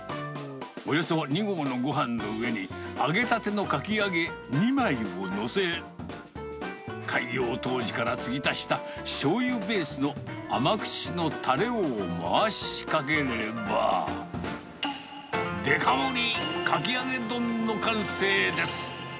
およそ２合のごはんの上に、揚げたてのかき揚げ２枚を載せ、開業当時からつぎ足したしょうゆベースの甘口のたれを回しかければ、デカ盛りかき揚げ丼の完成です。